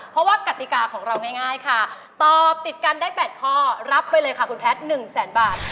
เพราะว่ากติกาของเราง่ายค่ะตอบติดกันได้๘ข้อรับไปเลยค่ะคุณแพทย์๑แสนบาท